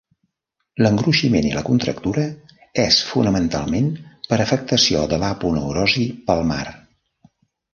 L'engruiximent i la contractura és fonamentalment per afectació de l'aponeurosi palmar.